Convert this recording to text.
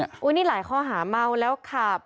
นี่หลายข้อหาเมาแล้วขับ